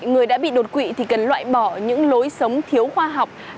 người đã bị đột quỵ thì cần loại bỏ những lối sống thiếu khoa học